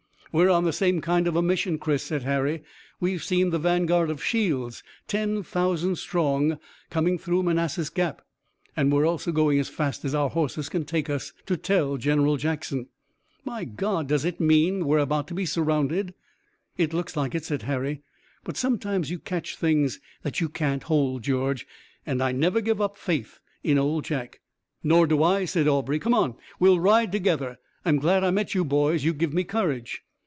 "We're on the same kind of a mission, Chris," said Harry. "We've seen the vanguard of Shields, ten thousand strong coming through Manassas Gap, and we also are going as fast as our horses can take us to tell General Jackson." "My God! Does it mean that we are about to be surrounded?" "It looks like it," said Harry, "but sometimes you catch things that you can't hold. George and I never give up faith in Old Jack." "Nor do I," said Aubrey. "Come on! We'll ride together! I'm glad I met you boys. You give me courage."